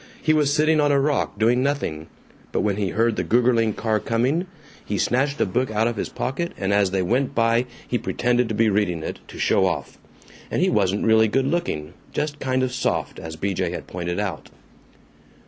He was sitting on a rock doing nothing, but when he heard the Gougerling car coming he snatched a book out of his pocket, and as they went by he pretended to be reading it, to show off. And he wasn't really good looking just kind of soft, as B. J. had pointed out.